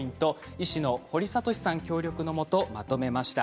医師の堀賢さん協力のもとまとめました。